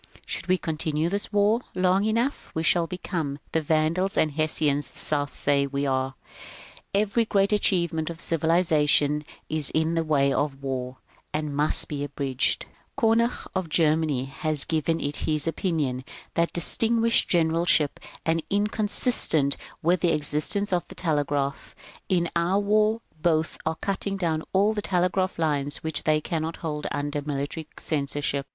Should we continue this war long enough, we shall become the Vandals and Hessians the South says we are. Every great achievement of civilization i^ in the way of war, and must be abridged. Konig of Germany has given it as his opinion that distinguished generalship is inconsistent with the existence of the telegraph. In our war both sides are cutting down all telegraph lines which they cannot hold under military censorship.